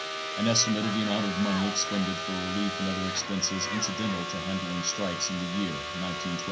An estimate of the amount of money expended for relief and other expenses incidental to handling strikes in the year (1912) shows that $101,504.